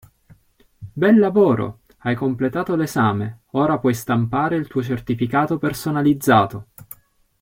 Bel lavoro! Hai completato l‘esame, ora puoi stampare il tuo certificato personalizzato.